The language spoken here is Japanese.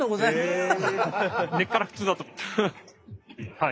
はい。